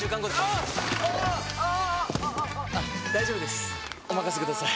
ニャー大丈夫ですおまかせください！